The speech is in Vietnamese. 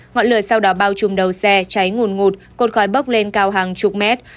ngọn lửa sau đó bao chùm đầu xe cháy ngùn ngụt cột khói bốc lên cao hàng chục mét